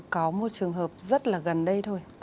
có một trường hợp rất là gần đây thôi